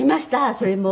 それも。